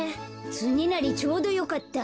つねなりちょうどよかった。